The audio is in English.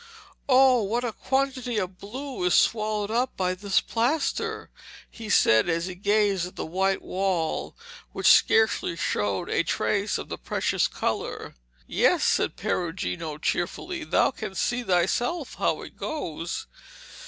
'Oh what a quantity of blue is swallowed up by this plaster!' he said, as he gazed at the white wall, which scarcely showed a trace of the precious colour. 'Yes,' said Perugino cheerfully, 'thou canst see thyself how it goes.'